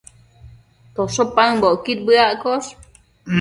tosho paëmbocquid bëaccosh